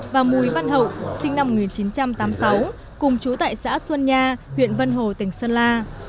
và mùi văn hậu sinh năm một nghìn chín trăm tám mươi sáu cùng chú tại xã xuân nha huyện vân hồ tỉnh sơn la